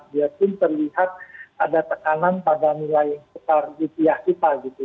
dia pun terlihat ada tekanan pada nilai setar di pihak kita gitu